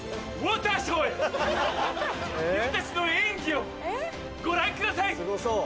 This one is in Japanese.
水たちの演技をご覧ください！すごそう。